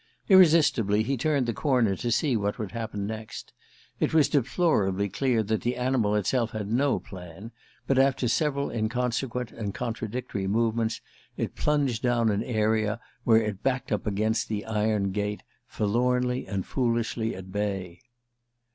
Irresistibly, he turned the corner to see what would happen next. It was deplorably clear that the animal itself had no plan; but after several inconsequent and contradictory movements it plunged down an area, where it backed up against the iron gate, forlornly and foolishly at bay.